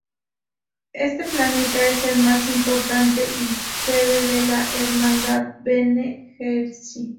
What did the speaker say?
Este planeta es el más importante y sede de la Hermandad Bene Gesserit.